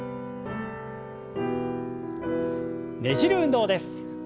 ねじる運動です。